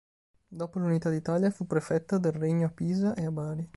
Dopo l'unità d'Italia fu prefetto del Regno a Pisa e a Bari.